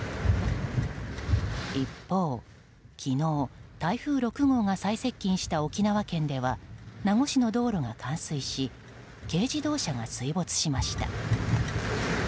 一方、昨日台風６号が最接近した沖縄県では名護市の道路が冠水し軽自動車が水没しました。